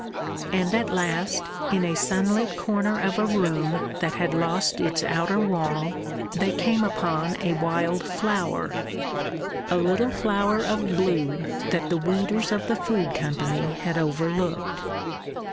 And at last, in a sunlit corner of a room that had lost its outer wall, they came upon a wild flower, a little flower of blue that the weeders of the Food Company had overlooked.